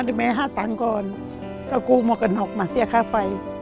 เดี๋ยวแม่หาตังค์ก่อนก็กู้หมวกกันน็อกมาเสียค่าไฟ